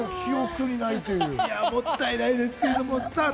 もったいないですけれども。